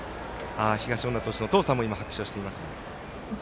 東恩納投手のお父さんも拍手をしていました。